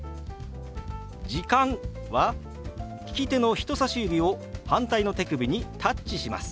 「時間」は利き手の人さし指を反対の手首にタッチします。